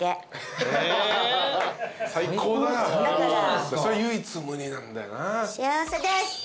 最高だそれ唯一無二なんだよな。